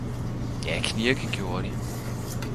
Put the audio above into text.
Ja knirke gjorde de!